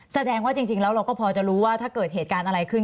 แสดงว่าจริงแล้วเราก็พอจะรู้ว่าถ้าเกิดเหตุการณ์อะไรขึ้น